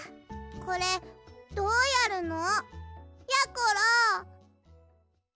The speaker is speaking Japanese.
これどうやるの？やころ！